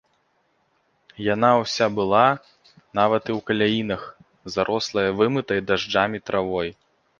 Яна ўся была, нават і ў каляінах, зарослая вымытай дажджамі травой.